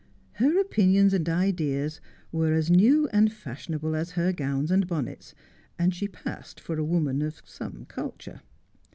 Her opinions and ideas were as new and fashionable as her gowns and bonnets, and she passed for a woman of some culture.